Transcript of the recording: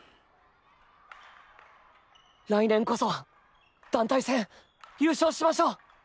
来年こそは団体戦優勝しましょう！